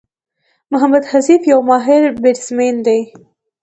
محمد حفيظ یو ماهر بيټسمېن دئ.